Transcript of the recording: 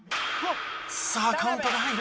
さあカウントが入る。